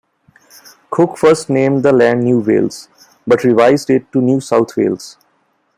Cook first named the land "New Wales", but revised it to "New South Wales".